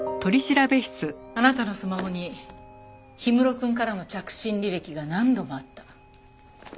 あなたのスマホに氷室くんからの着信履歴が何度もあった。